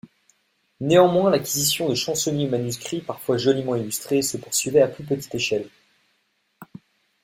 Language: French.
Néanmoins, l'acquisition de chansonniers manuscrits parfois joliment illustrés se poursuivait à plus petite échelle.